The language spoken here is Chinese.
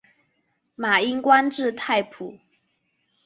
马英官至太仆。